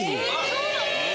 そうなの？